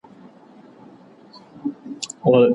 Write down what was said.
او ډېرو لویو مقاماتو ته ورسیږو،